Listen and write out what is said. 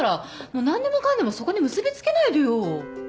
もう何でもかんでもそこに結び付けないでよ。